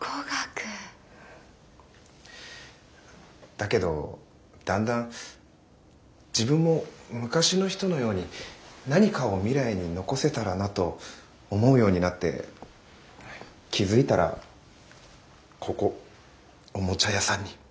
だけどだんだん自分も昔の人のように何かを未来に残せたらなと思うようになって気付いたらここおもちゃ屋さんに。